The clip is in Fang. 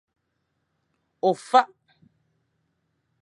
Ofak.